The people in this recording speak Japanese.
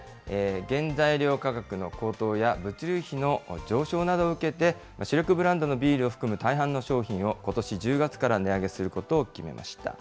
原材料価格の高騰や物流費の上昇などを受けて、主力ブランドのビールを含む大半の商品をことし１０月から値上げすることを決めました。